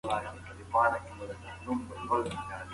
موټر چلونکي د خپل تندي مړې خولې په ارامه پاکې کړې.